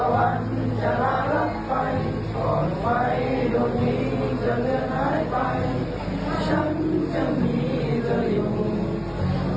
วันนี้จะเหลือหายไปฉันจะหนีจะหยุ่ง